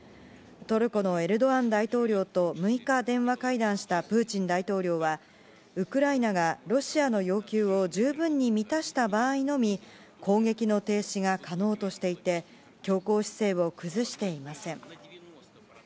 トルコのエルドアン大統領と６日、電話会談したプーチン大統領はウクライナがロシアの要求を十分に満たした場合のみ攻撃の停止が可能としていて強硬姿勢を崩していません。